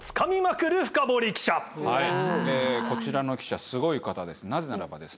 こちらの記者すごい方です